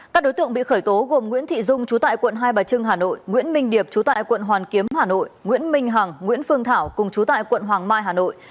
các đối tượng bị khởi tố gồm nguyễn thị dung chú tại quận hai bà trưng hà nội nguyễn minh điệp chú tại quận hoàn kiếm hà nội nguyễn minh hằng nguyễn phương thảo cùng chú tại quận hoàng mai hà nội